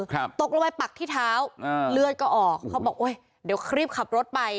ตกลงไปปักที่เท้าอ่าเลือดก็ออกเขาบอกโอ้ยเดี๋ยวรีบขับรถไป